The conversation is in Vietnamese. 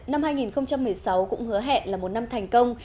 năm hai nghìn một mươi sáu cũng hứa hẹn là một năm thành công